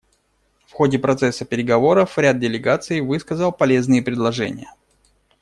В ходе процесса переговоров ряд делегаций высказал полезные предложения.